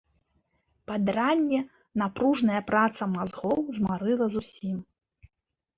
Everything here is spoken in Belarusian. Пад ранне напружная праца мазгоў змарыла зусім.